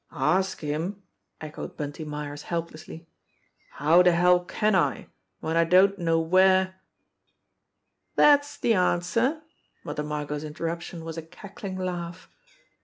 "Ask him!" echoed Bunty Myers helplessly. "How de hell can I, w'en I don't know where " "Dat's de answer!" Mother Margot's interruption was a cackling laugh.